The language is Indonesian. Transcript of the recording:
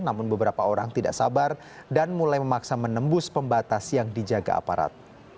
namun beberapa orang tidak sabar dan mulai memaksa menembus pembatas yang dijaga aparat